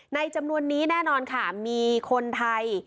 จำนวนนี้แน่นอนค่ะมีคนไทย